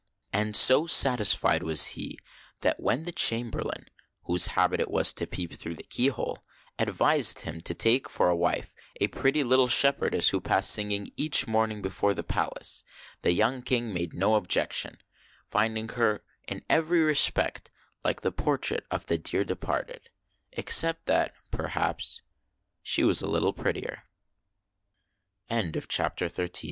And so satisfied was he that, when the chamberlain — whose habit it was to peep through the keyhole — advised him to take for a wife a pretty little shepherdess who passed singing each morning before the palace, the young King made no objection, finding her in every respect like the portrait of the "dear departed," e